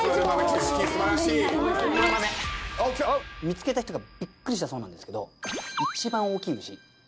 見つけた人がびっくりしたそうなんですけど。